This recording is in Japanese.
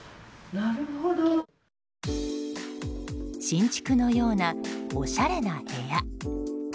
新築のようなおしゃれな部屋。